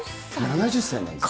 ７０歳なんです。